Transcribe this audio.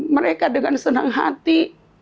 mereka dengan senang hati